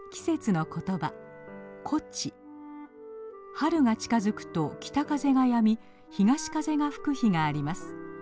春が近づくと北風がやみ東風が吹く日があります。